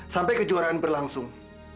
sampai kejuaraan berlangsung